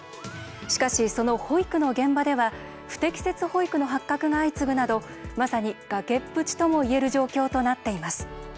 しかし、その保育の現場では不適切保育の発覚が相次ぐなどまさに崖っぷちともいえる状況となっています。